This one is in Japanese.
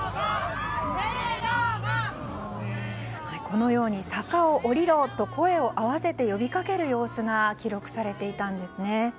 このように坂を下りろ！と声を合わせて呼びかける様子が記録されていたんですね。